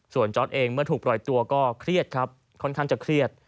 ส่วนจอร์ดเองเมื่อถูกปล่อยตัวก็เครียดครับค่อนข้างจะเครียด